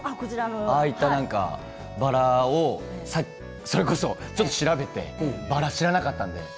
ああいったバラをそれこそ調べてバラを知らなかったので。